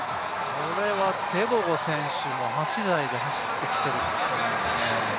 これはテボゴ選手も８台で走ってきている気がしますね。